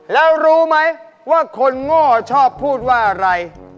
แล้วรู้ไหมว่าคนโง่ชอบพูดว่าอะไร